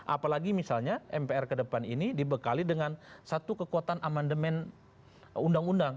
apalagi misalnya mpr kedepan ini dibekali dengan satu kekuatan amendement undang undang